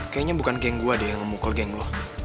kayaknya bukan geng gue deh yang mukul geng lu